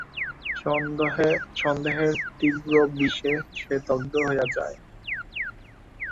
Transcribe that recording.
সন্দেহের তীব্র বিষে সে দগ্ধ হইয়া যায়।